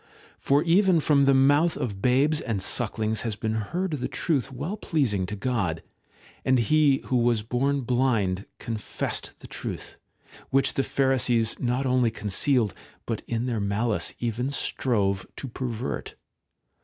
For even from the mouth of babes and sucklings has been heard the truth well pleasing to God ; and he who was born blind confessed the truth, which the Pharisees not only con cealed, but in their malice even strove to pervert.